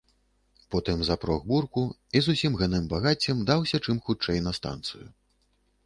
Потым запрог бурку і з усім гэным багаццем даўся чым хутчэй на станцыю.